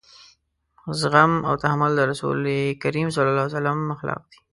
زغم او تحمل د رسول کريم صلی الله علیه وسلم اخلاق دي.